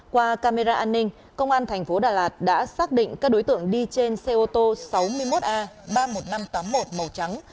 qua camera an ninh công an tp hcm đã xác định các đối tượng đi trên xe ô tô sáu mươi một a ba mươi một nghìn năm trăm tám mươi một màu trắng